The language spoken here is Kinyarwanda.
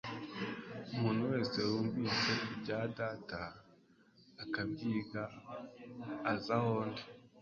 umuntu wese wumvise ibya Data akabyiga aza aho ndi.»